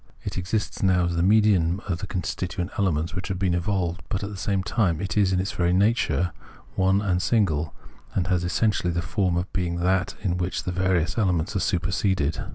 It exists now as the medium of the constituent elements which have been evolved. But at the same time it is in its very nature one and single, and has essentially the form of being that in which these various elements are superseded.